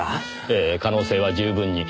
ええ可能性は十分に。